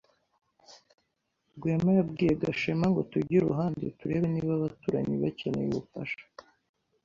Rwema yabwiye Gashema ngo tujye iruhande turebe niba abaturanyi bakeneye ubufasha.